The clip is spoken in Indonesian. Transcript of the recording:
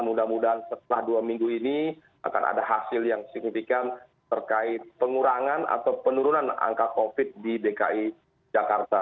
mudah mudahan setelah dua minggu ini akan ada hasil yang signifikan terkait pengurangan atau penurunan angka covid di dki jakarta